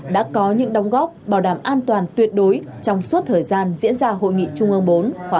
đã có những đóng góp bảo đảm an toàn tuyệt đối trong suốt thời gian diễn ra hội nghị trung ương bốn khóa một mươi